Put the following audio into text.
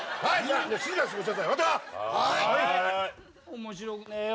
面白くねえよ。